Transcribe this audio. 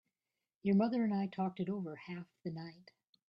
Your mother and I talked it over half the night.